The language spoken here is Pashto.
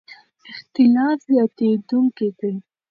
اختلاف زیاتېدونکی دی.